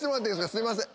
すいません。